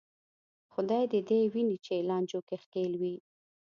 خدای دې دې ویني چې لانجو کې ښکېل وې.